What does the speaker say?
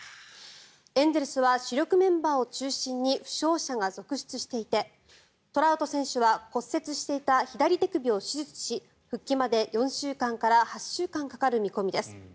エンゼルスは主力メンバーを中心に負傷者が続出していてトラウト選手は骨折していた左手首を手術し復帰まで４週間から８週間かかる見込みです。